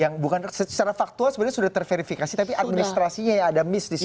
yang bukan secara faktual sudah terverifikasi tapi administrasinya yang ada miss disini